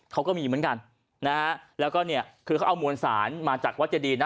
เขาก็มีเหมือนกันนะฮะแล้วก็เนี่ยคือเขาเอามวลสารมาจากวัดเจดีนะ